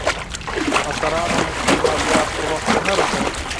مشرانو هم خپل مالیات پر وخت نه رسول.